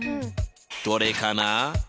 どれかな？